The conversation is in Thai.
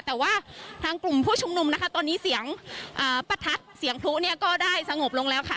แต่ว่าทางกลุ่มผู้ชุมนุมนะคะตอนนี้เสียงประทัดเสียงพลุเนี่ยก็ได้สงบลงแล้วค่ะ